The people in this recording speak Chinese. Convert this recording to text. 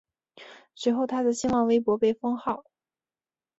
随后他的新浪微博被封号。